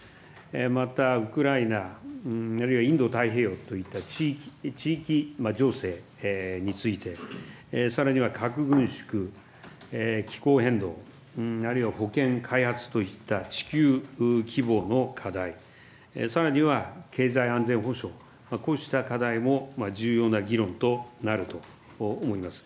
また、ウクライナ、あるいはインド太平洋といった地域情勢について、さらには核軍縮、気候変動、あるいは保健、開発といった地球規模の課題、さらには経済安全保障、こうした課題も重要な議論となると思います。